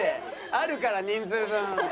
あるから人数分。